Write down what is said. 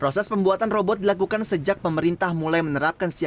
proses pembuatan robot dilakukan sejak pemerintah mulai menanggungnya